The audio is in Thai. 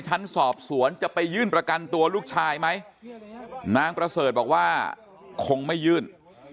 จะไปยื่นประกันตัวลูกชายไหมน้างประเสริฐบอกว่าคงไม่ยื่น